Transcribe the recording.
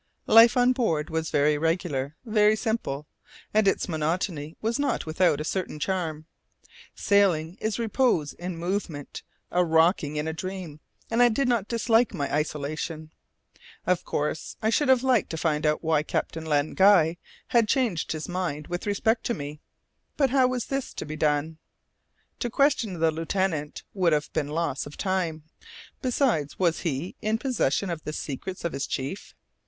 Life on board was very regular, very simple, and its monotony was not without a certain charm. Sailing is repose in movement, a rocking in a dream, and I did not dislike my isolation. Of course I should have liked to find out why Captain Len Guy had changed his mind with respect to me; but how was this to be done? To question the lieutenant would have been loss of time. Besides, was he in possession of the secrets of his chief?